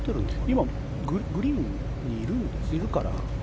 今、グリーンにいるんですかね？